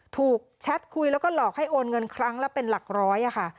แชทคุยแล้วก็หลอกให้โอนเงินครั้งละเป็นหลักร้อยค่ะ